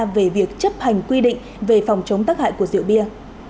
về việc chấp hành quy định về phòng chống tắc hại của rượu bia